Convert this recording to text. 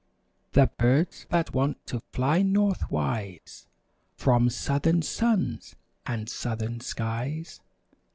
The birds that want to fly northwise From southern suns and southern skies.